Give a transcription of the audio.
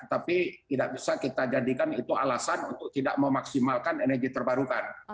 tapi tidak bisa kita jadikan itu alasan untuk tidak memaksimalkan energi terbarukan